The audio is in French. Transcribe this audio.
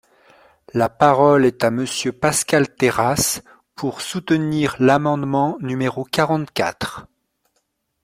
La parole est à Monsieur Pascal Terrasse, pour soutenir l’amendement numéro quarante-quatre.